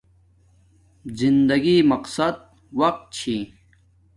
زندگی مقصد وقت چھی